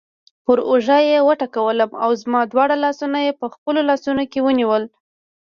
پر اوږه یې وټکولم او زما دواړه لاسونه یې په خپلو لاسونو کې ونیول.